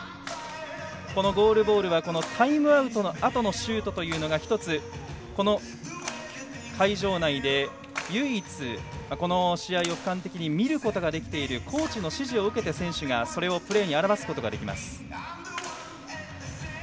ゴールボールはタイムアウトのあとのシュートが１つ、この会場内で唯一この試合をふかん的に見ることができているコーチの指示を受けて選手がプレーに表すことができます。